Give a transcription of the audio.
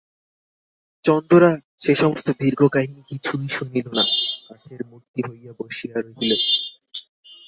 চন্দরা সে সমস্ত দীর্ঘ কাহিনী কিছুই শুনিল না, কাঠের মূর্তি হইয়া বসিয়া রহিল।